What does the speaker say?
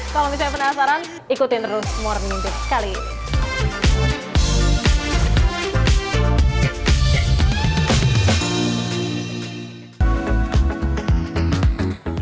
kalau misalnya penasaran ikutin terus morning tips kali ini